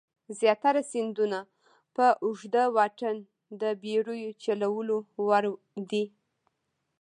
زیاتره سیندونه په اوږده واټن د بېړیو چلولو وړ دي.